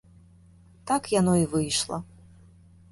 Так яно і выйшла.